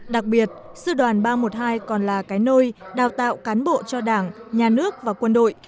đặc biệt sư đoàn ba trăm một mươi hai còn là cái nôi đào tạo cán bộ cho đảng nhà nước và quân đội